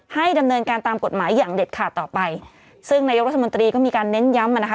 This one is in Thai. ให้ดำเนินการตามกฎหมายอย่างเด็ดขาดต่อไปซึ่งนายกรัฐมนตรีก็มีการเน้นย้ำมานะคะ